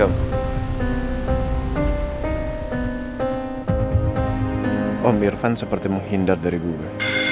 amirvan seperti menghindar dari gue